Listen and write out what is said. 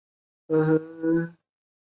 恨这部电影！